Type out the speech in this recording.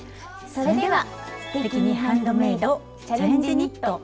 それでは「すてきにハンドメイド」「チャンレジニット」始めます！